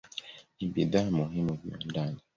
Ni bidhaa muhimu viwandani.